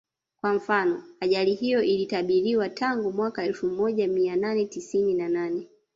Kwa mfano ajali hiyo ilitabiriwa tangu mwaka elfu moja mia nane tisini na nane